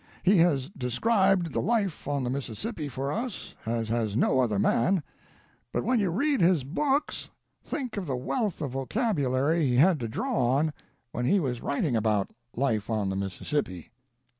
He has described the life on the Mississippi for us as has no other man, but when you read his books think of the wealth of vocabulary he had to draw on when he was writing about life on the Mississippi.